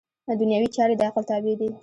دنیوي چارې د عقل تابع دي.